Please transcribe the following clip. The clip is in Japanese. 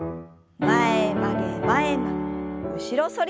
前曲げ前曲げ後ろ反り。